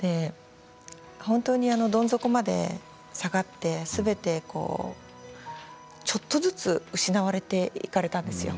本当にどん底まで下がってすべて、ちょっとずつ失われていかれたんですよ。